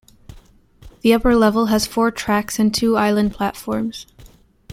The upper level has four tracks and two island platforms.